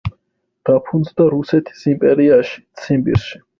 დაფუძნდა რუსეთის იმპერიაში, ციმბირში.